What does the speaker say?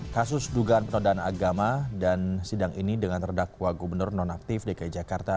kasus dugaan penodaan agama dan sidang ini dengan terdakwa gubernur nonaktif dki jakarta